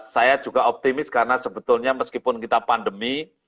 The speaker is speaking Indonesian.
saya juga optimis karena sebetulnya meskipun kita pandemi